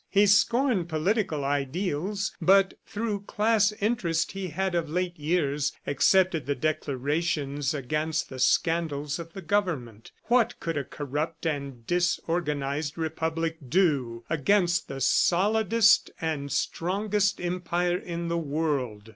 He scorned political ideals, but through class interest he had of late years accepted the declarations against the scandals of the government. What could a corrupt and disorganized Republic do against the solidest and strongest empire in the world?